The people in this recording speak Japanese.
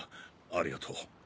ありがとう。